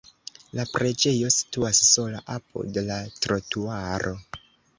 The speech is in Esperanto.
La preĝejo situas sola apud la trotuaro.